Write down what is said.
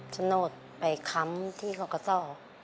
ฉนดไปค้ำที่คลอคโต้